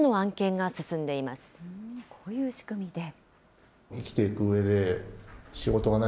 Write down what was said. こういう仕組みで。